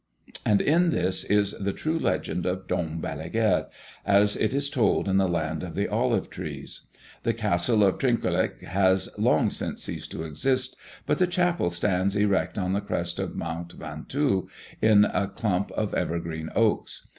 And this is the true legend of Dom Balaguère, as it is told in the land of the olive tree. The castle of Trinquelague has long ceased to exist; but the chapel stands erect on the crest of Mount Ventoux, in a clump of evergreen oaks.